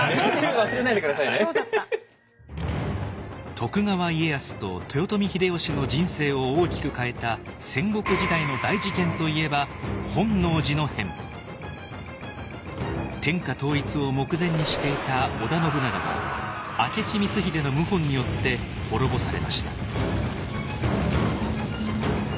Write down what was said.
徳川家康と豊臣秀吉の人生を大きく変えた戦国時代の大事件といえば天下統一を目前にしていた織田信長が明智光秀の謀反によって滅ぼされました。